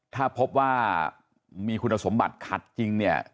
ถ้าพบว่ามีคุณสมบัติขัดจริงเนี่ย